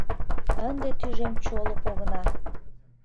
Ынде тӱжем чоло погына.